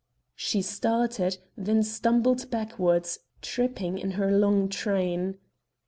She started, then stumbled backward, tripping in her long train.